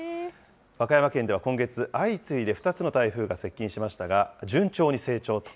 和歌山県では今月、相次いで２つの台風が接近しましたが、順調に成長と。